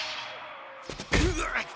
うわっ！